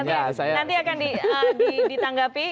nanti akan ditanggapi